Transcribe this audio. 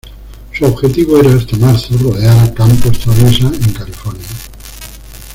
Su objetivo era hasta marzo rodear a campo traviesa en California.